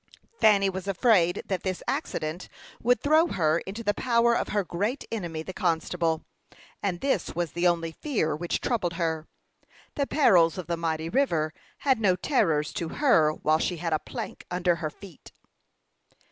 Fanny was afraid that this accident would throw her into the power of her great enemy, the constable; and this was the only fear which troubled her. The perils of the mighty river had no terrors to her while she had a plank under her feet.